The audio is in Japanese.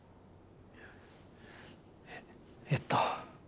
ええっと。